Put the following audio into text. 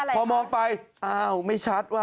พอมองไปอ้าวไม่ชัดว่า